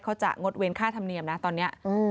งดเว้นค่าธรรมเนียมนะตอนนี้